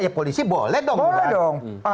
ya polisi boleh dong